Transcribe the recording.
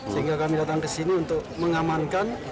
sehingga kami datang ke sini untuk mengamankan